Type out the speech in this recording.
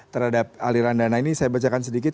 terhadap aliran dana ini saya bacakan sedikit